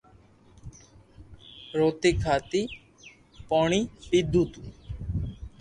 روٽي کائين پوڻي پيڌو تو